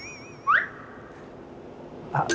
あっ！